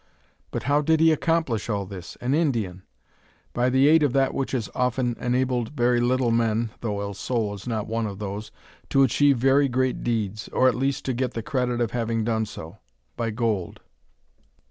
"But how did he accomplish all this? An Indian!" "By the aid of that which has often enabled very little men (though El Sol is not one of those) to achieve very great deeds, or at least to get the credit of having done so. By gold."